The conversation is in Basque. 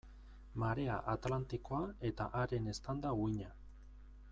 Marea Atlantikoa eta haren eztanda-uhina.